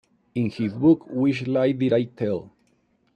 In his book Which Lie Did I Tell?